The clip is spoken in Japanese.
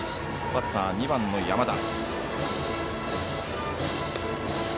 バッター、２番の山田。